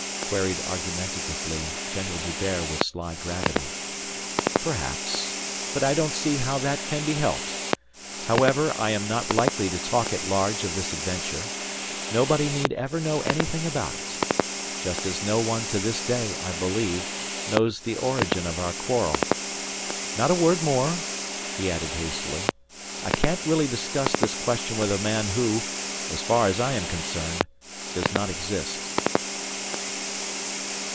queried argumentatively General D'Hubert with sly gravity. "Perhaps. But I don't see how that can be helped. However, I am not likely to talk at large of this adventure. Nobody need ever know anything about it. Just as no one to this day, I believe, knows the origin of our quarrel.... Not a word more," he added hastily. "I can't really discuss this question with a man who, as far as I am concerned, does not exist."